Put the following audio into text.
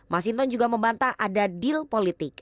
masinton juga membantah ada deal politik